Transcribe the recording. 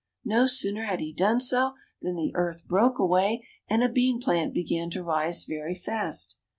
No sooner had he done so than the earth broke away, and a bean plant began to rise very fast.